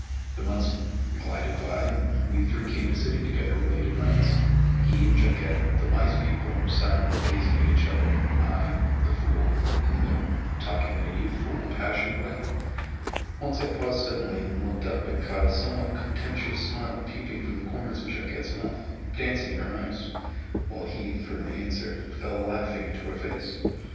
The months glided by, and we three came to sitting together late of nights : he and Jacquette, the wise people, silent, gazing at each other ; I, the fool, in the middle, talking in a youthful, impassioned way. Once I paused suddenly, and looked up, and caught a somewhat contemptuous smile peeping from the corners of Jacquette's mouth and dancing in her eyes ; while he, for an answer, fell a Iaughing into her face.